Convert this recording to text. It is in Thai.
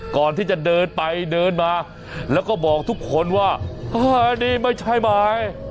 ก่อนที่จะเดินไปเดินมาแล้วก็บอกทุกคนว่านี่ไม่ใช่หมาย